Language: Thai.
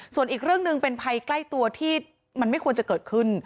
ส่วนอีกเรื่องหนึ่งเป็นภัยใกล้ตัวที่มันไม่ควรจะเกิดขึ้น